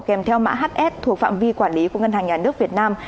kèm theo mã hs thuộc phạm vi quản lý của ngân hàng nhà nước việt nam